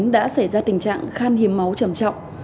đã xảy ra tình trạng khan hiếm máu trầm trọng